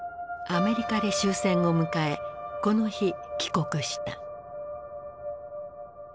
アメリカで終戦を迎えこの日帰国した。